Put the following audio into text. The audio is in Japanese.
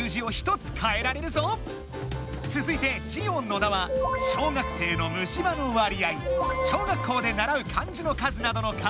つづいてジオ野田は「小学生の虫歯の割合」「小学校でならう漢字の数」などのカードが。